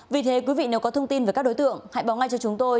vì thế quý vị nếu có thông tin về các đối tượng hãy báo ngay cho chúng tôi